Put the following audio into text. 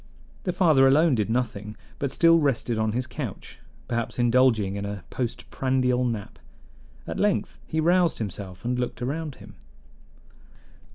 The father alone did nothing, but still rested on his couch, perhaps indulging in a postprandial nap. At length he roused himself and looked around him.